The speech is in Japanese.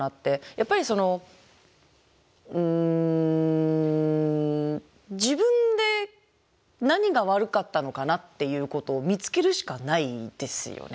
やっぱりそのうん自分で何が悪かったのかなっていうことを見つけるしかないですよね。